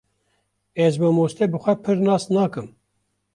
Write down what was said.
Ez mamoste bi xwe pir nas nakim